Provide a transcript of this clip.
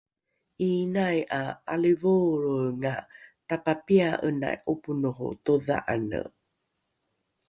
’iinai ’a ’alivoolroenga tapapia’enai ’oponoho todha’ane